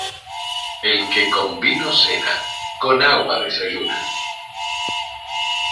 El que con vino cena, con agua desayuna.